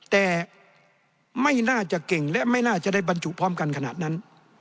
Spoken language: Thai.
แต่ไม่น่าจะเก่งและไม่น่าจะได้บรรจุพร้อมกันขนาดนั้น